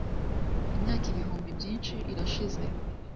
imyaka ibihumbi byinshi irashize